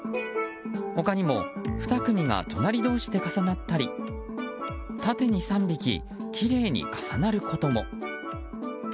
他にも２組が隣同士で重なったり縦に３匹、きれいに重なることも。